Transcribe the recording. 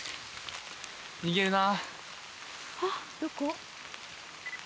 逃げるな。